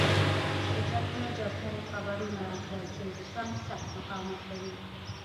د جنګ له جبهو خبرونه راتلل چې روسان سخت مقاومت کوي